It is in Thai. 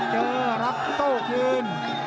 เจอรับโต้คืน